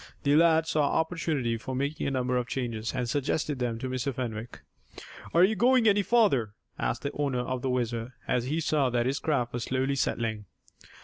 The lad saw opportunity for making a number of changes, and suggested them to Mr. Fenwick. "Are you going any farther?" asked the owner of the WHIZZER, as he saw that his craft was slowly settling.